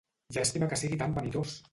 Llàstima que sigui tan vanitós!